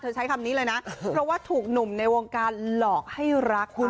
ใช้คำนี้เลยนะเพราะว่าถูกหนุ่มในวงการหลอกให้รักคุณ